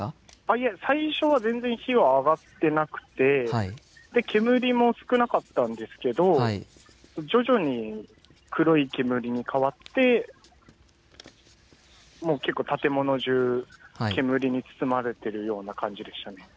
いえ、最初は全然火は上がっていなくて煙も少なかったんですけど徐々に黒い煙に変わって結構、建物中煙に包まれているような感じでしたね。